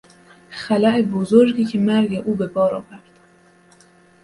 خلابزرگی که مرگ او به بار آورد